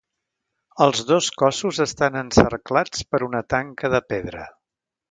Els dos cossos estan encerclats per una tanca de pedra.